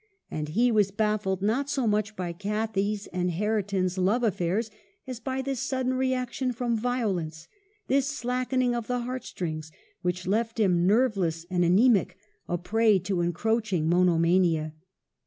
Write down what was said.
And he was baffled, not so much by Cathy's and Hareton's love affairs as by this sudden reaction from violence, this slackening of the heartstrings, which left him nerveless and anaemic, a prey to encroaching monomania.